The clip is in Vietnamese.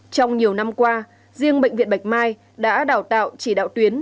trong nhiều năm qua riêng bệnh viện bạch mai đã đào tạo chỉ đạo tuyến